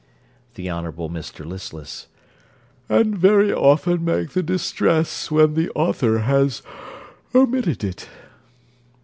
THE HONOURABLE MR LISTLESS And very often make the distress when the author has omitted it.